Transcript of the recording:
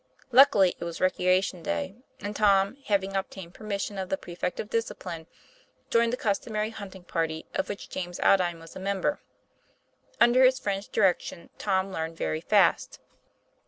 Luckily it was recreation day, and Tom, having obtained permission of the prefect of discipline, joined the customary hunting party, of which James Aldine was a member. Under his friend's direction Tom learned very fast.